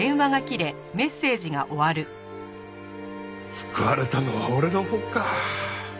救われたのは俺のほうか。